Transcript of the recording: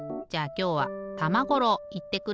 きょうはたまごろういってくれ。